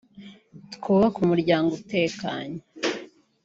twubake umuryango utekanye”